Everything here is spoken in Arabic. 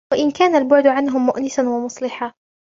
وَإِنْ كَانَ الْبُعْدُ عَنْهُمْ مُؤْنِسًا وَمُصْلِحًا